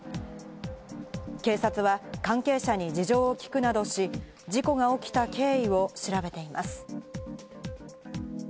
警察は関係者に事情を聞くなどし、事故が起きた経緯を調べています。